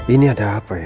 ini ada apa ya